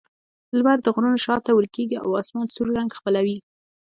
لمر د غرونو شا ته ورکېږي او آسمان سور رنګ خپلوي.